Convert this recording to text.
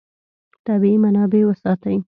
طبیعي منابع وساتئ.